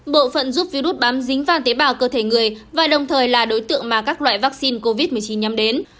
bộ phận giúp virus bám dính vàon tế bào cơ thể người và đồng thời là đối tượng mà các loại vaccine covid một mươi chín nhắm đến